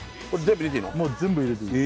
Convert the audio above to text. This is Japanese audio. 全部入れていいの？